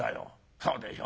そうでしょ。